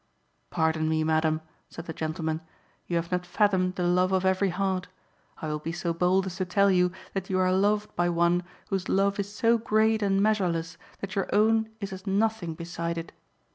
"Pardon me, madam," said the gentleman; "you have not fathomed the love of every heart. I will be so bold as to tell you that you are loved by one whose love is so great and measureless that your own is as nothing beside it.